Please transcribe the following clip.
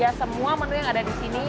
sudah tersedia semua menu yang ada di sini